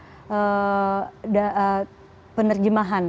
yang menariknya adalah penerjemahan